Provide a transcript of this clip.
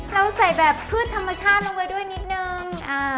เราใส่แบบพืชธรรมชาติลงไปด้วยนิดนึง